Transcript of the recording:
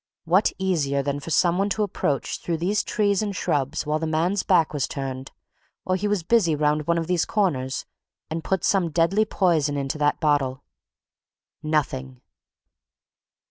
What easier than for some one to approach through these trees and shrubs while the man's back was turned, or he was busy round one of these corners, and put some deadly poison into that bottle? Nothing!"